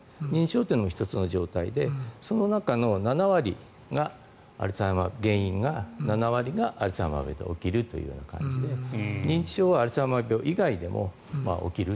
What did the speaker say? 認知症というのも１つの状態でその中の原因の７割がアルツハイマーで起きるということで認知症はアルツハイマー病以外でも起きる。